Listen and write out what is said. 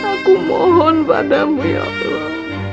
aku mohon padamu ya allah